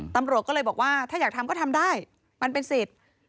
ตำรวจก็เลยบอกว่าถ้าอยากทำก็ทำได้มันเป็นสิทธิ์